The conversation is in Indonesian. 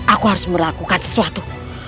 aku harus melakukan sesuatu